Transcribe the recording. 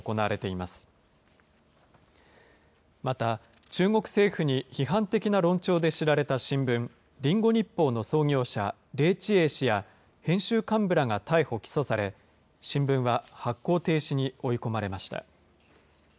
また中国政府に批判的な論調で知られた新聞、リンゴ日報の創業者、黎智英氏や編集幹部らが逮捕・起訴され、新聞は発行停止に追い込まれました。